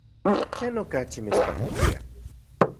¿Tlen okachi mitspaktia?